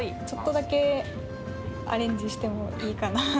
ちょっとだけ「アレンジしてもいいかな？」